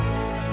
masih gak bisa